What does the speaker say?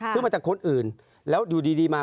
ซื้อมาจากคนอื่นแล้วอยู่ดีมา